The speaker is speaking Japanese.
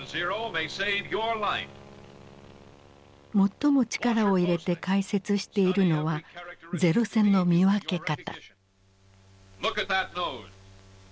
最も力を入れて解説しているのは零戦の見分け方。